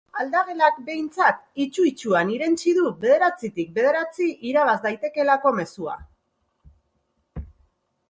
Aldagelak behintzat, itsu-itsuan irentsi du bederatzitik bederatzi irabaz daitezkeelako mezua.